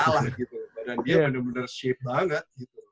badan dia bener bener shape banget